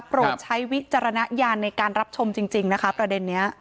ใช้วิจารณญาณในการรับชมจริงนะคะประเด็นนี้